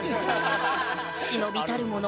忍びたるもの